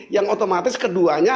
yang otomatis keduanya